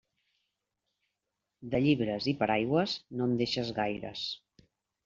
De llibres i paraigües, no en deixes gaires.